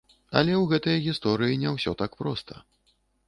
Але ў гэтай гісторыі не ўсё так проста.